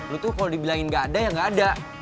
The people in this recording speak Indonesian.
lo tuh kalo dibilangin gak ada ya gak ada